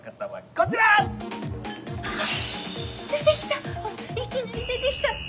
ほらいきなり出てきた。